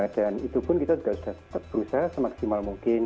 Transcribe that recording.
dan itu pun kita juga harus tetap berusaha semaksimal mungkin